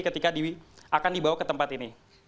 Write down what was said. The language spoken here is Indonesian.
ketika akan dibawa ke tempat ini